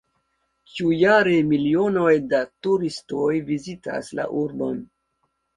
Ĉiujare milionoj da turistoj vizitas la urbon.